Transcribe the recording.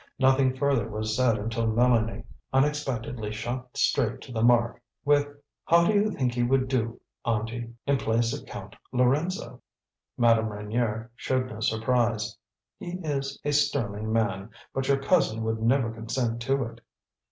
Nothing further was said until Mélanie unexpectedly shot straight to the mark with: "How do you think he would do, Auntie, in place of Count Lorenzo?" Madame Reynier showed no surprise. "He is a sterling man; but your cousin would never consent to it."